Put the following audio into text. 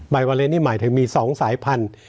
ใบวาเลนส์มี๒สายพันธุ์